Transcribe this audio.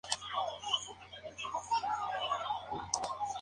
Fue diseñado por Design Group Incorporated.